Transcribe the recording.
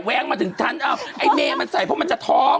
แว้งมาถึงทั้งไอ้เมมันใส่เพราะมันจะท้อง